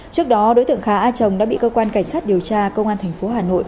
trước đó đối tượng khá a chồng đã bị cơ quan cảnh sát điều tra công an thành phố hà nội